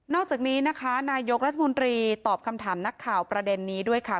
อกจากนี้นะคะนายกรัฐมนตรีตอบคำถามนักข่าวประเด็นนี้ด้วยค่ะ